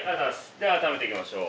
では改めていきましょう。